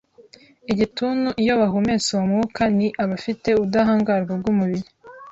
igituntu iyo bahumetse uwo mwuka ni abafite ubudahangarwa bw’ububiri